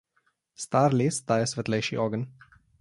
Star les daje svetlejši ogenj.